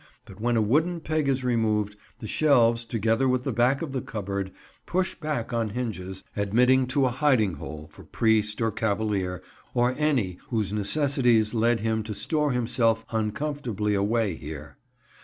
But when a wooden peg is removed, the shelves, together with the back of the cupboard, push back on hinges, admitting to a hiding hole for priest or cavalier, or any whose necessities led him to store himself uncomfortably away here.